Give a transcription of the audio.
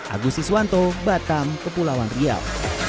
agus iswanto batam kepulauan riau